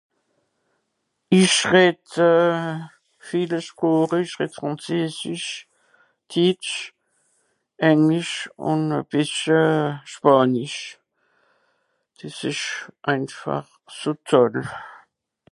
Ìch redd euh... viele Sproche ìch redd Frànzesisch, ditsch, englisch ùn e bìssel spànisch. Dìs ìsch einfach so toll.